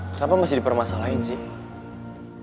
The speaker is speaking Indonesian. kenapa masih dipermasalahin sih